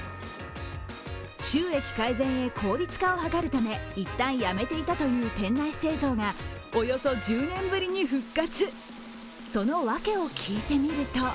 収益改善へ効率化を図るため、いったんやめていたという店内製造がおよそ１０年ぶりに復活。